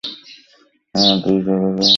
আমার দুই জোড়াযুক্ত বাহু আছে।